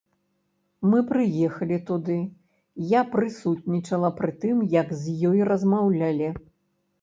Мы прыехалі туды, я прысутнічала пры тым, як з ёй размаўлялі.